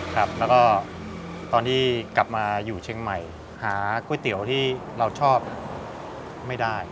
ครับแล้วก็ตอนที่กลับมาอยู่เชียงใหม่หาก๋วยเตี๋ยวที่เราชอบไม่ได้